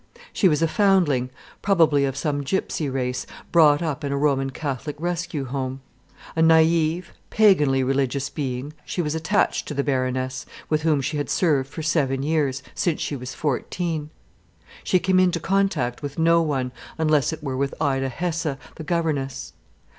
She was a foundling, probably of some gipsy race, brought up in a Roman Catholic Rescue Home. A naïve, paganly religious being, she was attached to the Baroness, with whom she had served for seven years, since she was fourteen. She came into contact with no one, unless it were with Ida Hesse, the governess.